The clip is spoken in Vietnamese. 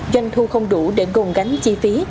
doanh thu không đủ để gồm gánh chi phí